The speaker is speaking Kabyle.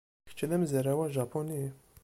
Kečč d amezraw ajapuni?